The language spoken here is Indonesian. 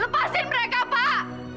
lepasin mereka pak